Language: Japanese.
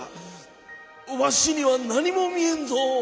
わしにはなにもみえんぞ。